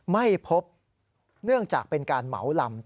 ไม่พบเนื่องจากเป็นการเหมาลำ